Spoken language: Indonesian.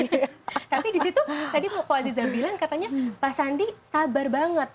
tapi disitu tadi muko aziza bilang katanya pak sandi sabar banget